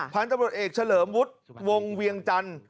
พันธุ์ตำรวจเอกเฉลิมวุฒิวงเวียงจันทร์